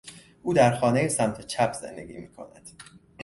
او در خانهی سمت چپ زندگی میکند.